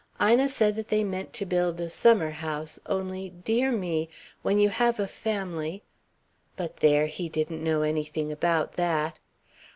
Ina said that they meant to build a summer house, only, dear me, when you have a family but there, he didn't know anything about that.